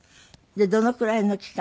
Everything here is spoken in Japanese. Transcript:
どのくらいの期間？